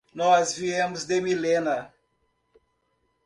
Nós viemos de Millena.